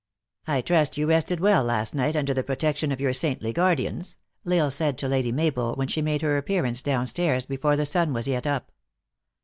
" I trust you rested well last night, under the pro tection of your saintly guardians," L Isle said to Lady Mabel, when she made her appearance down stairs, before the sun was yet up.